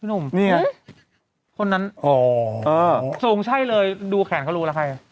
หนุ่มนี่ไงคนนั้นอ๋อทรงใช่เลยดูแขนเขารู้แล้วใคร